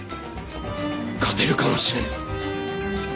勝てるかもしれぬ。